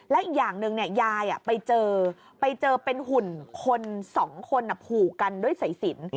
และอีกอย่างหนึ่งยายไปเจอไปเจอเป็นหุ่นคนสองคนผูกกันด้วยสายสิน